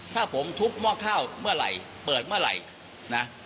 ถ้าผมทุบหม้อข้าวเมื่อไหร่เปิดเมื่อไหร่นะ